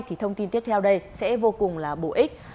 thì thông tin tiếp theo đây sẽ vô cùng là bổ ích